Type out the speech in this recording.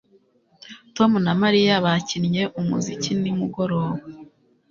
Tom na Mariya bakinnye umuziki nimugoroba